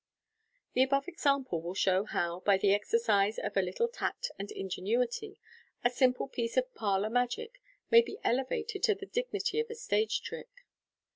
The above example will show how, by the exercise of a little tact and ingenuity, a simple piece of parlour magic may be elevated to the dignity of a stage trick.